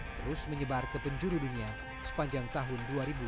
terus menyebar ke penjuru dunia sepanjang tahun dua ribu dua puluh